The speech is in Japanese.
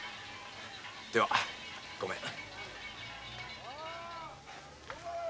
ではごめん。